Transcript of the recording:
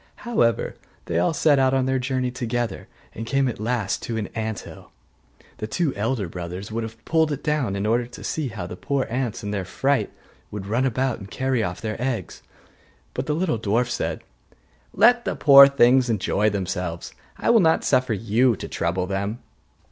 However, they all set out on their journey together, and came at last to an ant hill. The two elder brothers would have pulled it down, in order to see how the poor ants in their fright would run about and carry off their eggs. But the little dwarf said, 'Let the poor things enjoy themselves, I will not suffer you to trouble them.